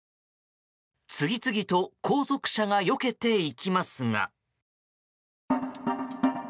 次々と後続車がよけていきますが。